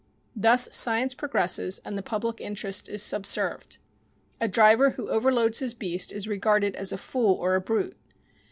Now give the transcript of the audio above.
Thus science progresses and the public interest is subserved. A driver who overloads his beast is regarded as a fool or a brute.